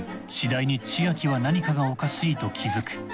次第に千秋は何かがおかしいと気づく。